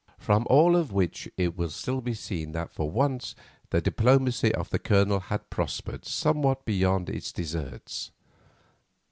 From all of which it will be seen that for once the diplomacy of the Colonel had prospered somewhat beyond its deserts.